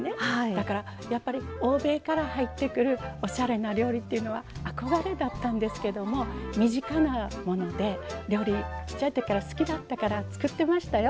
だからやっぱり欧米から入ってくるおしゃれな料理っていうのは憧れだったんですけども身近なもので料理ちっちゃい時から好きだったから作ってましたよ。